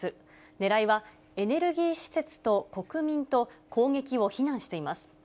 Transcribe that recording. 狙いは、エネルギー施設と国民と、攻撃を非難しています。